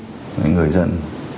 về những người dân